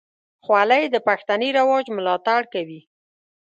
خولۍ د پښتني رواج ملاتړ کوي.